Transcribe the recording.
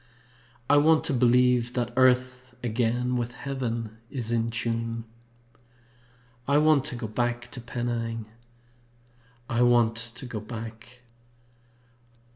I want to believe that Earth again With Heaven is in tune. I want to go back to Penang! I want to go back!